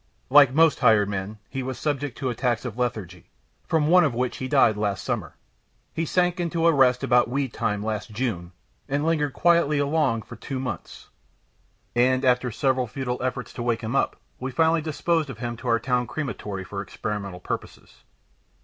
Like most hired men, he was subject to attacks of lethargy, from one of which he died last summer. He sank into a rest about weed time, last June, and lingered quietly along for two months, and after several futile efforts to wake him up, we finally disposed of him to our town crematory for experimental purposes.